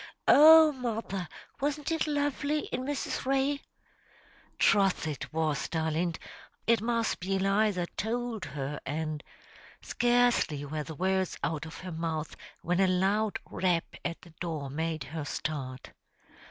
"Oh, mother, wasn't it lovely in Mrs. Ray?" "Troth it was, darlint. It must be Eliza tould her, and " "Scarcely were the words out of her mouth, when a loud rap at the door made her start.